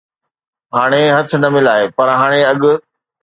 ھاڻي ھٿ نه ملائي، پر ھاڻي اڳ